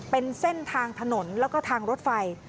เป็นเส้นทางถนนแล้วก็ทางรถไฟ